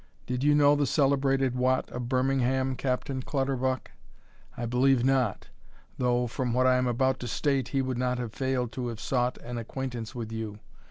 Did you know the celebrated Watt of Birmingham, Captain Clutterbuck? I believe not, though, from what I am about to state, he would not have failed to have sought an acquaintance with you.